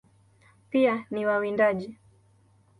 Pia ni wawindaji.